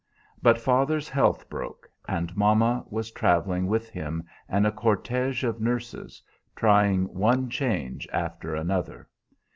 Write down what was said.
But father's health broke, and mama was traveling with him and a cortège of nurses, trying one change after another.